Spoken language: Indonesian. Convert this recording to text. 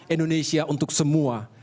indonesia untuk semua